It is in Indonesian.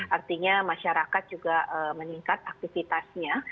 artinya masyarakat juga meningkat aktivitasnya